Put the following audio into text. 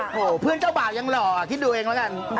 เพื่อนเจ้าบ่าวยังหล่อคิดดูเองแล้วกัน